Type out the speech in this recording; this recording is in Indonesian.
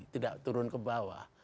tidak turun ke bawah